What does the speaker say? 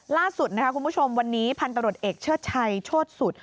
ล่าสุดนะคะคุณผู้ชมวันนี้พันตรวจเอกเชิดชัยโชธสุด